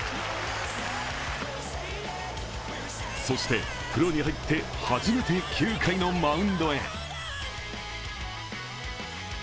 そして、プロに入って初めて９回のマウンドへ。